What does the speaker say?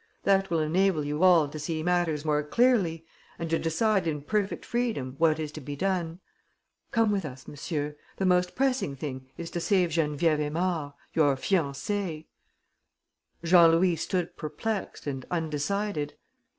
That will enable you all to see matters more clearly and to decide in perfect freedom what is to be done. Come with us, monsieur. The most pressing thing is to save Geneviève Aymard, your fiancée." Jean Louis stood perplexed and undecided.